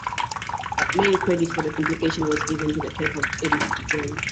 But main credit for the compilation was given to the paper's editor, Gwynne.